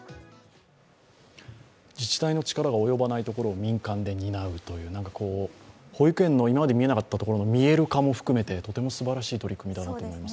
自治体の力が及ばないところを民間で担うという保育園の今まで見えなかったところの見える化も含めてとてもすばらしい取り組みだなと思います。